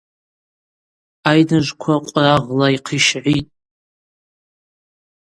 Айныжвква къврагъла йхъищгӏитӏ.